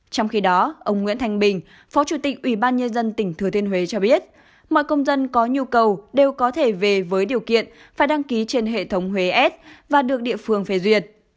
trong khi đó ông nguyễn thanh bình phó chủ tịch ủy ban nhân dân tỉnh thừa thiên huế cho biết mọi công dân có nhu cầu đều có thể về với điều kiện phải đăng ký trên hệ thống huế s và được địa phương phê duyệt